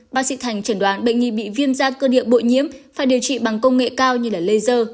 bác sĩ thành chẩn đoán bệnh nhi bị viêm da cơ địa bội nhiễm phải điều trị bằng công nghệ cao như laser